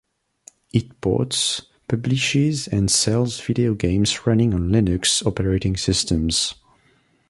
It ports, publishes and sells video games running on Linux operating systems.